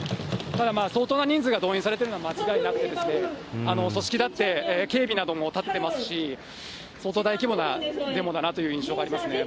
ただ、相当な人数が動員されてるのは間違いなくて、組織立って、警備なども立ってますし、相当大規模なデモだなという印象がありますね。